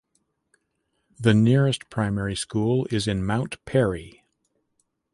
The nearest primary school is in Mount Perry.